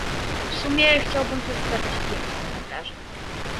W sumie chciałbym przedstawić pięć komentarzy